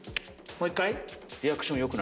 もう１回。